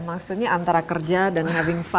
maksudnya antara kerja dan